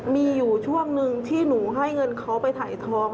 มีอยู่ช่วงหนึ่งที่หนูให้เงินเขาไปถ่ายทอง